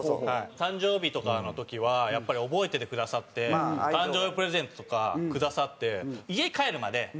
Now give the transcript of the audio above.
誕生日とかの時はやっぱり覚えててくださって誕生日プレゼントとかくださって「家帰るまで開けないでおいてくれ」みたいな。